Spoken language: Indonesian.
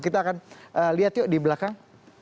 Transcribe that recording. kita akan lihat yuk di belakang